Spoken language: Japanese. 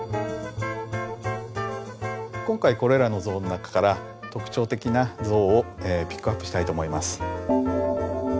今回これらの像の中から特徴的な像をピックアップしたいと思います。